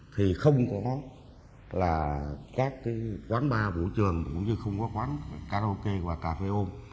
thì không có là các quán ba vũ trường cũng như không có quán karaoke và cà phê ôm